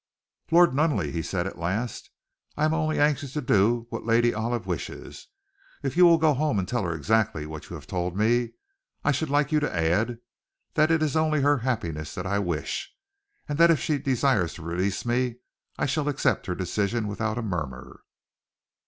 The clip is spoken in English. "Lord Nunneley," he said at last, "I am only anxious to do what Lady Olive wishes. If you will go home and tell her exactly what you have told me, I should like you to add that it is only her happiness that I wish, and that if she desires to release me, I shall accept her decision without a murmur."